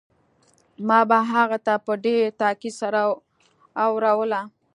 ما به هغه ته په ډېر تاکيد سره اوروله.